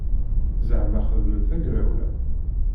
Zaɛma xedmen tagrawla.